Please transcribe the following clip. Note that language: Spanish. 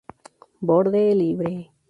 Borde libre.